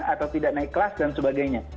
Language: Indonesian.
atau tidak naik kelas dan sebagainya